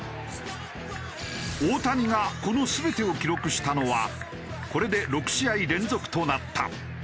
大谷がこの全てを記録したのはこれで６試合連続となった。